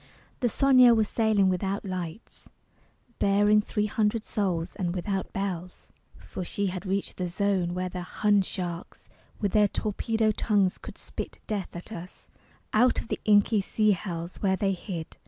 The Sonia was sailing without lights Bearing three hundred souls and without bells; For she had reached the "Zone," where the Hun sharks With their torpedo tongues could spit death at us Out of the inky sea hells where they hid.